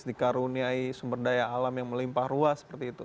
dikaruniai sumber daya alam yang melimpah ruas seperti itu